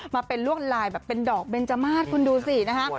มาเป็นลวดลายแบบเป็นดอกเบนจมาสคุณดูสินะฮะ